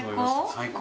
最高。